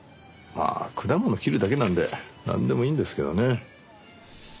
まあ果物切るだけなんでなんでもいいんですけどね。